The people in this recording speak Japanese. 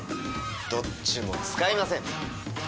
どっちも使いません！